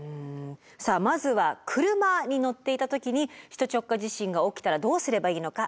さあまずは車に乗っていた時に首都直下地震が起きたらどうすればいいのか？